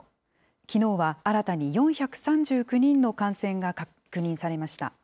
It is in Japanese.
きのうは新たに４３９人の感染が確認されました。